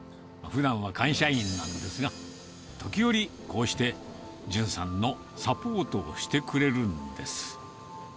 ふだんは会社員なんですが、時折、こうして淳さんのサポートをしてくれるんです。